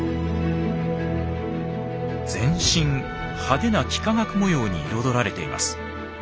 全身派手な幾何学模様に彩られています。